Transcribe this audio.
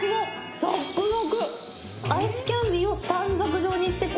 ザクザク！